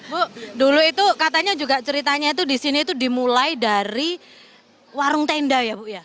bu dulu itu katanya juga ceritanya itu di sini itu dimulai dari warung tenda ya bu ya